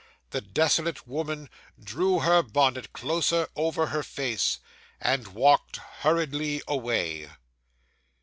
The desolate woman drew her bonnet closer over her face, and walked hurriedly away.